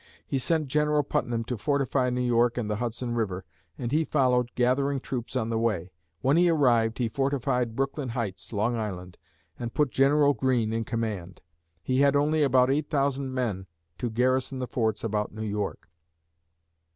He sent General Putnam to fortify New York and the Hudson River, and he followed, gathering troops on the way. When he arrived, he fortified Brooklyn Heights, Long Island, and put General Greene in command. He had only about eight thousand men to garrison the forts about New York.